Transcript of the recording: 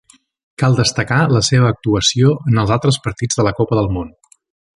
Cal destacar la seva actuació en els altres partits de la Copa del Món.